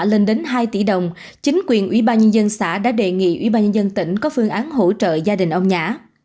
lên đến hai tỷ đồng chính quyền ủy ban nhân dân xã đã đề nghị ủy ban nhân dân tỉnh có phương án hỗ trợ gia đình ông nhã